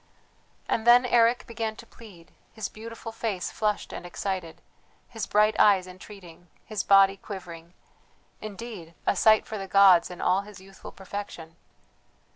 And then Eric began to plead, his beautiful face flushed and excited, his bright eyes entreating, his body quivering; indeed, a sight for the gods in all his youthful perfection.